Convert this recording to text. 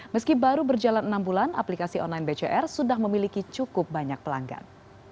meski baru berjalan enam bulan aplikasi online bcr sudah memiliki cukup banyak pelanggan